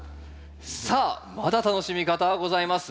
さあまだ楽しみ方はございます。